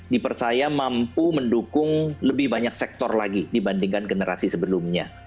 dipercaya mampu mendukung lebih banyak sektor lagi dibandingkan generasi sebelumnya